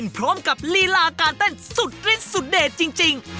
พร้อมกับลีลาการเต้นสุดฤทธสุดเด็ดจริง